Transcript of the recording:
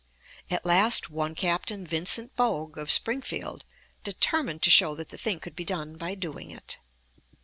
At last one Captain Vincent Bogue, of Springfield, determined to show that the thing could be done by doing it.